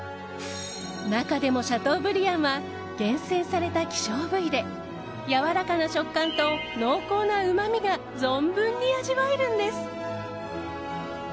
中でもシャトーブリアンは厳選された希少部位でやわらかな食感と濃厚なうまみが存分に味わえるんです。